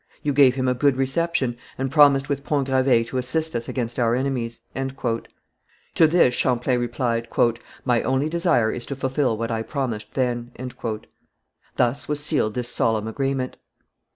You gave him a good reception, and promised with Pont Gravé to assist us against our enemies." To this Champlain replied, "My only desire is to fulfil what I promised then." Thus was sealed this solemn agreement.